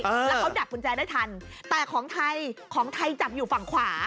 แล้วเขาดักกุญแจได้ทันแต่ของไทยของไทยจับอยู่ฝั่งขวา